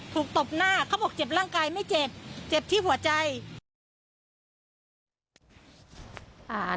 ตบหน้าเขาบอกเจ็บร่างกายไม่เจ็บเจ็บที่หัวใจ